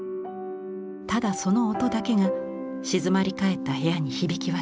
ただその音だけが静まり返った部屋に響き渡る。